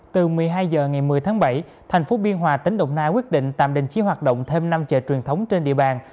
từ một mươi hai h ngày một mươi tháng bảy thành phố biên hòa tỉnh đồng nai quyết định tạm đình chỉ hoạt động thêm năm chợ truyền thống trên địa bàn